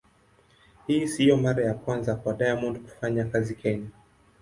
Hii sio mara ya kwanza kwa Diamond kufanya kazi Kenya.